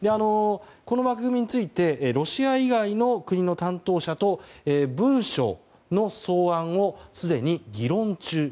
この枠組みについてロシア以外の国の担当者と文書の草案を、すでに議論中。